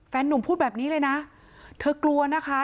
นุ่มพูดแบบนี้เลยนะเธอกลัวนะคะ